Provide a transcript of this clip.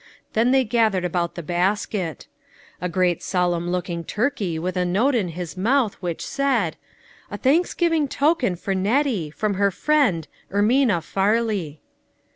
Then they gathered about the basket. A great solemn looking tur key with a note in his mouth, which said :" A Thanksgiving token for Nettie, from her friend ERMIKA FARLEY."